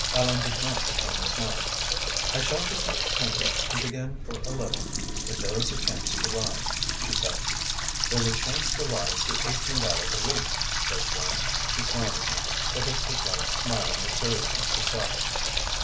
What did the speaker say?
Ellen did not return the smile. "I shall be contented to begin for a little, if there is a chance to rise," she said. "There's a chance to rise to eighteen dollars a week," said Flynn. He smiled again, but it was like smiling at seriousness itself.